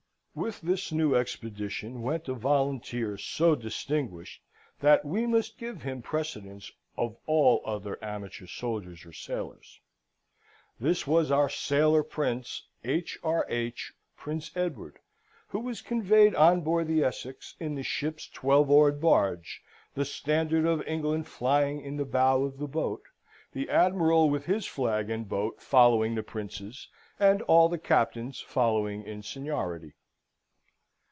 With this new expedition went a volunteer so distinguished, that we must give him precedence of all other amateur soldiers or sailors. This was our sailor Prince, H.R.H. Prince Edward, who was conveyed on board the Essex in the ship's twelve oared barge, the standard of England flying in the bow of the boat, the Admiral with his flag and boat following the Prince's, and all the captains following in seniority.